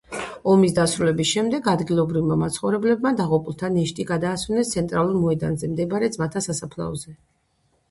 ომის დასრულების შემდეგ ადგილობრივმა მაცხოვრებლებმა დაღუპულთა ნეშტი გადაასვენეს ცენტრალურ მოედანზე მდებარე ძმათა სასაფლაოზე.